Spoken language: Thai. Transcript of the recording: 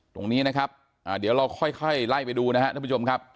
ตรงนี้นะครับเดี๋ยวเราค่อยไล่ไปดูนะครับท่านผู้ชมครับ